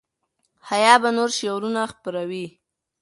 حیا به نور شعرونه خپروي.